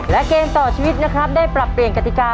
และเกมต่อชีวิตนะครับได้ปรับเปลี่ยนกติกา